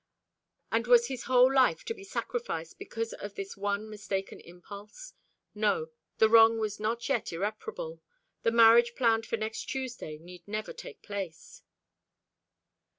And was his whole life to be sacrificed because of this one mistaken impulse? No, the wrong was not yet irreparable. The marriage planned for next Tuesday need never take place.